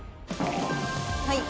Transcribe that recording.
はい。